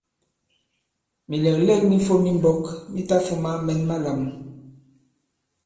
Mìlɛ̀glɛ᷇k mi fōm i mbōk mi tafūma mɛn malām.